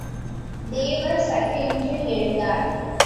தேவர் சட்டென்று எழுந்தார்.